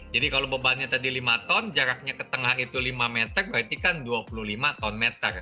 jadi kalau bebannya tadi lima ton jaraknya ke tengah itu lima meter berarti kan dua puluh lima ton